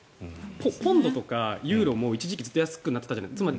ポンドとかユーロも一時期ずっと安かったじゃないですか。